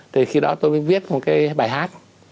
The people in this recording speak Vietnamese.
thì khi đó tôi mới viết một cái bài hát